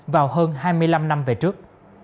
vào hơn hai mươi năm năm về trước